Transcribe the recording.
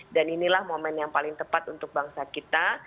dan inilah momen yang paling tepat untuk bangsa kita